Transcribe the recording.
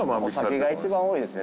お酒が一番多いですね。